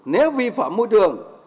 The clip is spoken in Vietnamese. nếu vi phạm môi trường